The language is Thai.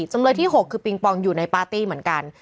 จำเลยที่๖คือปิงปองอยู่ในปาร์ตี้เหมือนกัน